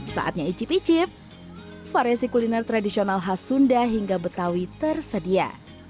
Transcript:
saatnya icip icip variasi kuliner tradisional khas sunda hingga betawi tersedia